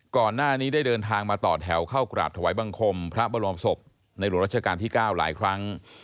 ก่อนหน้านี้ได้เดินทางมาต่อแถวเข้ากราบถวายบังคมพระบรมศพในหลวงราชการที่๙หลายครั้ง